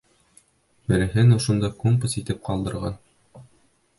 Береһен ошонда компас итеп ҡалдырған...